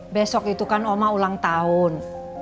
besok itu kan oma ulang tahun